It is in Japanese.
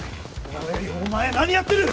おいお前何やってる！？